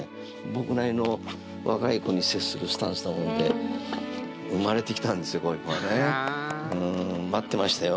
僕なりの若い子に接するスタンスなもんでこういう子がね待ってましたよ